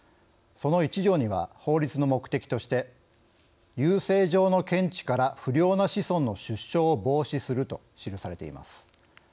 その１条には、法律の目的として「優生上の見地から不良な子孫の出生を防止する」と記されています。